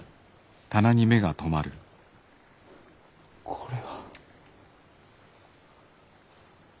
これは。